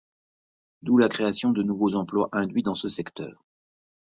D'où la création de nouveaux emplois induits dans ce secteur.